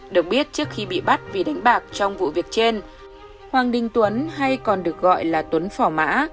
được biết trước khi bị bắt vì đánh bạc trong vụ việc trên hoàng đình tuấn hay còn được gọi là tuấn phỏ mã